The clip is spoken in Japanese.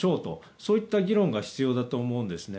そういった議論が必要だと思うんですね。